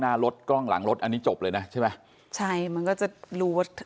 หน้ารถกล้องหลังรถอันนี้จบเลยนะใช่ไหมใช่มันก็จะรู้ว่า